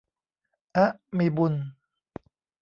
อ๊ะ มีบุญ